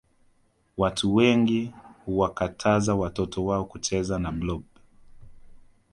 Watu wengi huwakataza watoto wao kucheza na blob